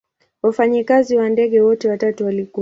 Wafanyikazi wa ndege wote watatu walikufa.